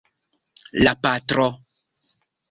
La patro.